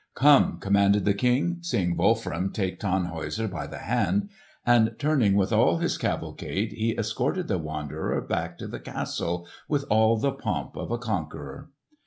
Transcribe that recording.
"Come!" commanded the King, seeing Wolfram take Tannhäuser by the hand. And turning with all his cavalcade he escorted the wanderer back to the castle with all the pomp of a conqueror.